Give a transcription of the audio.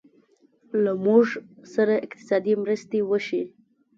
او له موږ سره اقتصادي مرستې وشي